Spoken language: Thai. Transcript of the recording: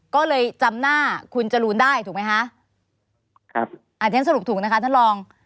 ก็เลยจำหน้าคุณจรูนได้ถูกไหมคะครับอ่าเดี๋ยวฉันสรุปถูกนะคะท่านรอง